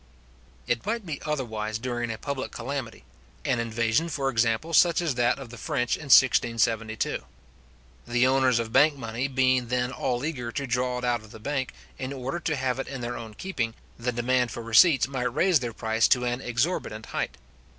It might be otherwise during a public calamity; an invasion, for example, such as that of the French in 1672. The owners of bank money being then all eager to draw it out of the bank, in order to have it in their own keeping, the demand for receipts might raise their price to an exorbitant height.